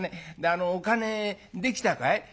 あのお金できたかい？」。